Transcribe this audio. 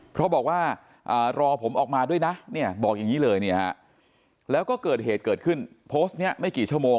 เพราะบอกว่ารอผมออกมาด้วยนะเนี่ยบอกอย่างนี้เลยแล้วก็เกิดเหตุเกิดขึ้นโพสต์นี้ไม่กี่ชั่วโมง